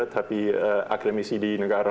tapi akademisi di negara